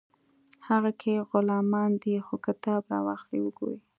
هغه که غلامان دي خو کتاب راواخلئ وګورئ